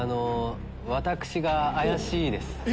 私が怪しいです。